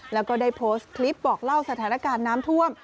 แล้วก็ได้โพสต์คลิปบอกเล่าสถานการณ์น้ำท่วม